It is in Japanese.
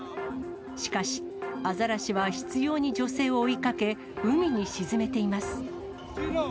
しかし、アザラシは執ように女性を追いかけ、海に沈めています。